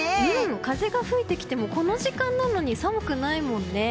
風が吹いてきてもこの時間なのに寒くないもんね。